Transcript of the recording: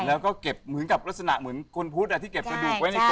แล้วก็เก็บเหมือนกับลักษณะเหมือนคนพุทธที่เก็บกระดูกไว้ในคอ